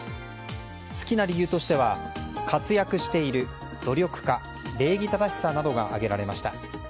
好きな理由としては活躍している努力家、礼儀正しさなどが挙げられました。